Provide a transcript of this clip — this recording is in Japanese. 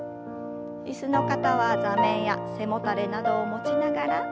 椅子の方は座面や背もたれなどを持ちながら。